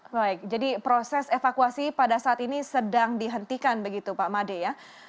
baik jadi proses evakuasi pada saat ini sedang dihentikan begitu pak made ya